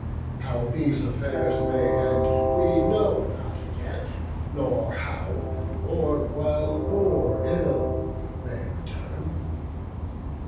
How these affairs may end, we know not yet; Nor how, or well or ill, we may return.